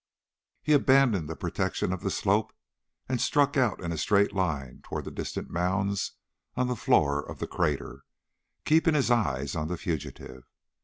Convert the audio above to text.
He abandoned the protection of the slope and struck out in a straight line toward the distant mounds on the floor of the crater, keeping his eyes on the fugitive.